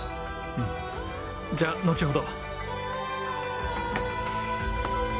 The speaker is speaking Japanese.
うんじゃあ後ほど。